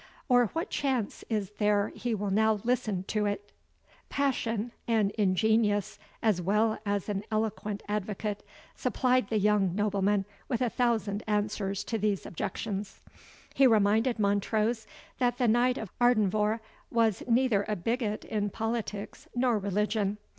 Or what chance is there that he will now listen to it?" Passion, an ingenious, as well as an eloquent advocate, supplied the young nobleman with a thousand answers to these objections. He reminded Montrose that the Knight of Ardenvohr was neither a bigot in politics nor religion.